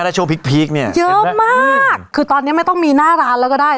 แล้วช่วงพีคเนี่ยเยอะมากคือตอนเนี้ยไม่ต้องมีหน้าร้านแล้วก็ได้